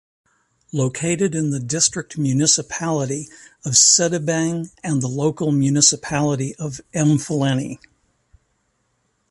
Located in the district municipality of Sedibeng and the local municipality of Emfuleni.